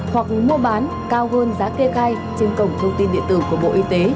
hoặc mua bán cao hơn giá kê khai trên cổng thông tin điện tử của bộ y tế